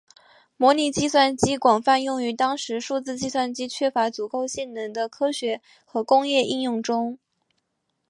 模拟计算机广泛用于当时数字计算机缺乏足够性能的科学和工业应用中。